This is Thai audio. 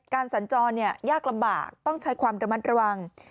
สัญจรยากลำบากต้องใช้ความระมัดระวัง